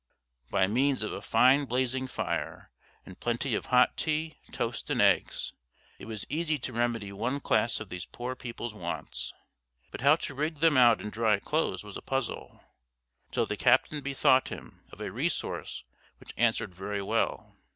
By means of a fine blazing fire, and plenty of hot tea, toast, and eggs, it was easy to remedy one class of these poor people's wants; but how to rig them out in dry clothes was a puzzle, till the captain bethought him of a resource which answered very well.